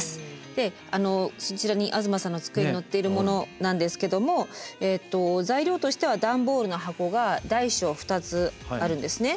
でそちらに東さんの机に載っているものなんですけども材料としては段ボールの箱が大小２つあるんですね。